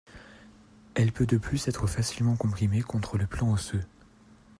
Elle peut de plus être facilement comprimée contre le plan osseux.